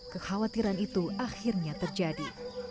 kekhawatiran itu akhirnya terjadi